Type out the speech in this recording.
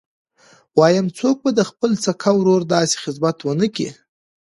وايم څوک به د خپل سکه ورور داسې خدمت ونه کي.